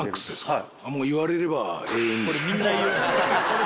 はい。